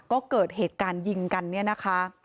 ก็เกิดเหตุการณ์ยิงกันเนี่ยนะคะ